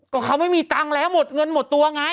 ก็เขาไม่มีตังครับมีเงินเลยหลายคนละ